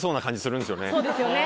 そうですよね。